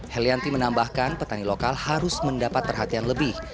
helianti menambahkan petani lokal harus mendapat perhatian lebih